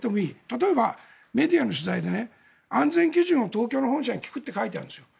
例えば、メディアの取材で安全基準を東京の本社に聞くって書いてあるんですよ。